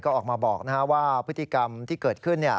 ก็ออกมาบอกว่าพฤติกรรมที่เกิดขึ้น